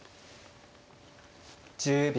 １０秒。